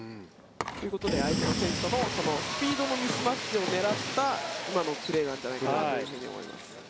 ということで相手の選手のスピードのミスマッチも狙った今のプレーなんじゃないかと思います。